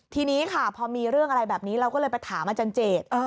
ทีนี้ค่ะพอมีเรื่องอะไรแบบนี้เราก็เลยไปถามอาจารย์เจต